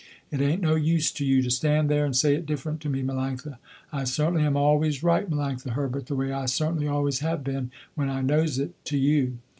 It ain't no use to you to stand there and say it different to me Melanctha. I certainly am always right Melanctha Herbert, the way I certainly always have been when I knows it, to you.